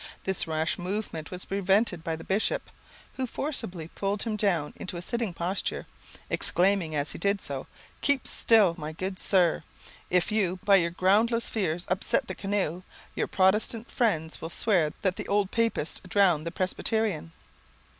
This rash movement was prevented by the bishop, who forcibly pulled him down into a sitting posture, exclaiming, as he did so, "Keep still, my good sir; if you, by your groundless fears, upset the canoe, your protestant friends will swear that the old papist drowned the presbyterian."